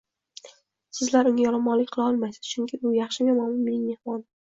Sizlar unga yomonlik qila olmaysiz, chunki u, yaxshimi, yomonmi, mening mehmonim.